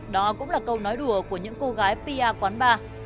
đó cũng là câu nói đùa của những cô gái pia quán bar